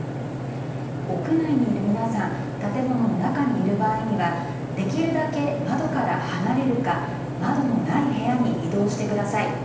屋内にいる皆さん、建物の中にいる場合にはできるだけ窓から離れるか窓のない部屋に移動してください。